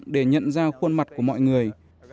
để nhận ra khuôn mặt của mọi người